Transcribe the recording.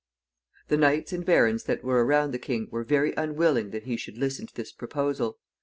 The knights and barons that were around the king were very unwilling that he should listen to this proposal.